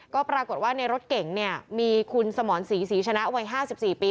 ก็ปรากฏว่าในรถเก่งเนี่ยมีคุณสมรศรีศรีชนะวัย๕๔ปี